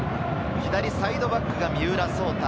左サイドバックが三浦颯太。